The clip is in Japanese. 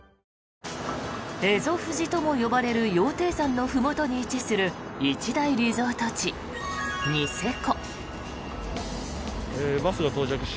富士とも呼ばれる羊蹄山のふもとに位置する一大リゾート地、ニセコ。